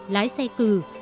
lái xe cừ